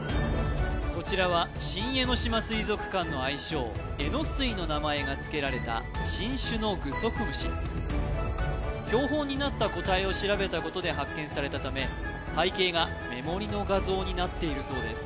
こちらは新江ノ島水族館の愛称えのすいの名前がつけられた新種のグソクムシ標本になった個体を調べたことで発見されたため背景が目盛りの画像になっているそうです・